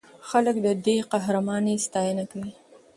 خلک د دې قهرمانۍ ستاینه کوي.